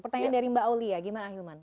pertanyaan dari mbak oli ya gimana hilman